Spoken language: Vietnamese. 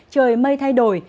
trời mây thay đổi